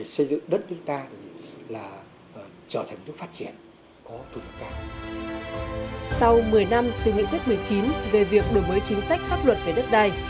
sau một mươi năm từ nghị quyết một mươi chín về việc đổi mới chính sách pháp luật về đất đai